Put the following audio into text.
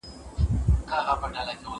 زه کولای سم کار وکړم!.